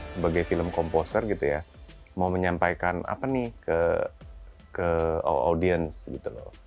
sebagai film komposer gitu ya mau menyampaikan apa nih ke audience gitu loh